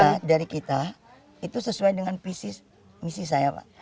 kalau dari kita itu sesuai dengan misi saya pak